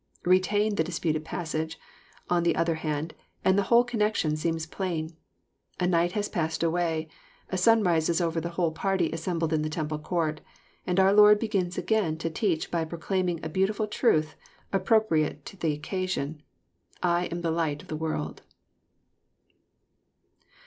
— Betain the disputed passage, on the other hand, and the whole connection seems plain. A uight has passed away. A sunrise is over the whole party assembled in the tem ple court. And our Lord begins again to teach by proclaiming a beautiful truth, appropriate to the occasion, — I am the light of the world."